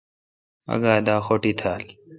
آگہ دا خوٹی تھال۔